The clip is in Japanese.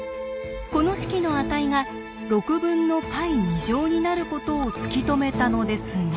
この式の値が６分のπ２乗になることを突き止めたのですが。